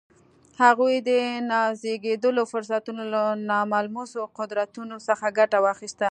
هغوی د نازېږېدلو فرصتونو له ناملموسو قدرتونو څخه ګټه واخیسته